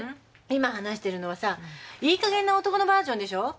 今話してるのはさいいかげんな男のバージョンでしょ？